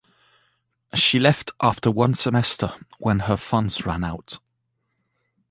She left after one semester, when her funds ran out.